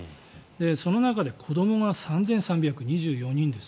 その中で子どもが３３２４人です。